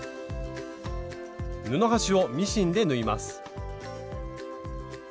布端をミシンで縫います